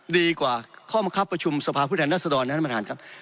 ดีกว่าข้อมังคับประชุมสภาพผู้แทนรัศดรนะท่านประธานครับ